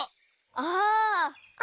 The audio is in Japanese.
ああ！